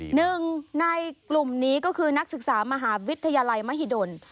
หนึ่งในกลุ่มนี้ก็คือนักศึกษามหาวิทยาลัยมหิดล